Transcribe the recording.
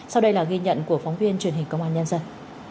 sau đây là ghi nhận của phóng viên truyền hình công an nhân dân